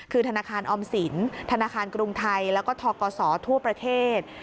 คือธนาคารออมสินธนาคารกรุงไทยแล้วก็ทกศทั่วประเทศ